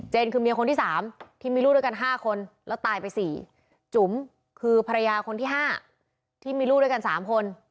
คือเมียคนที่๓ที่มีลูกด้วยกัน๕คนแล้วตายไป๔จุ๋มคือภรรยาคนที่๕ที่มีลูกด้วยกัน๓คน